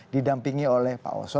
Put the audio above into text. didampingi oleh pak osho